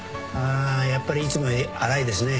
あやっぱりいつもより粗いですね。